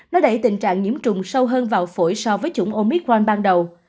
nó đẩy tình trạng nhiễm trùng sâu hơn vào phổi so với chủng omicron ban đầu